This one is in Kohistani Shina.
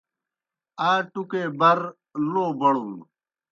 آ ٹُکے بر لو بڑُن۔